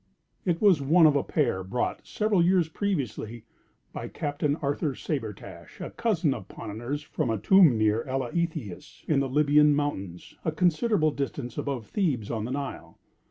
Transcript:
It was one of a pair brought, several years previously, by Captain Arthur Sabretash, a cousin of Ponnonner's from a tomb near Eleithias, in the Lybian mountains, a considerable distance above Thebes on the Nile.